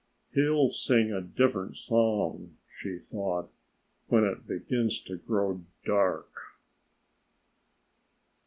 "He'll sing a different song," she thought, "when it begins to grow dark."